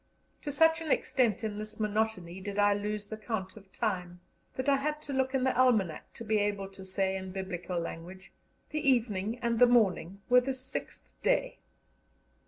To such an extent in this monotony did I lose the count of time, that I had to look in the almanack to be able to say, in Biblical language, "The evening and the morning were the sixth day."